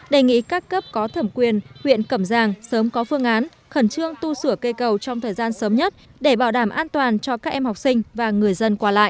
đề nghị các cấp có thẩm quyền huyện cẩm giang sớm có phương án khẩn trương tu sửa cây cầu trong thời gian sớm nhất để bảo đảm an toàn cho các em học sinh và người dân qua lại